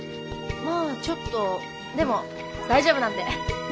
まあちょっとでも大丈夫なんで。